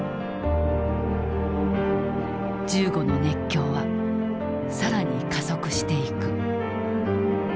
銃後の熱狂は更に加速していく。